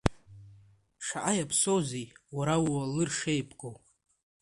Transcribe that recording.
Шаҟа иаԥсоузеи, уара, ууалыр шеибгоу?